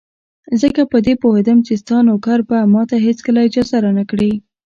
ځکه په دې پوهېدم چې ستا نوکر به ماته هېڅکله اجازه را نه کړي.